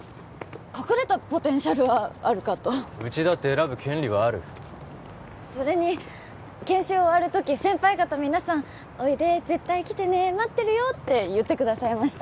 隠れたポテンシャルはあるかとうちだって選ぶ権利はあるそれに研修終わるとき先輩方皆さん「おいで」「絶対来てね」「待ってるよ」って言ってくださいました